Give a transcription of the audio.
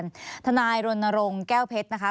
มีความรู้สึกว่ามีความรู้สึกว่า